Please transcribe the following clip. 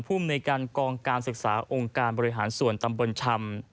ภูมิในการกองการศึกษาองค์การบริหารส่วนตำบลชำ